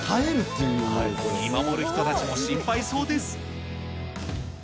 見守る人たちも心配そうです。